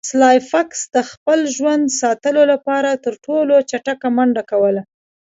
سلای فاکس د خپل ژوند ساتلو لپاره تر ټولو چټکه منډه کوله